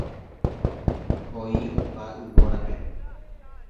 Oĩ opa yvórape.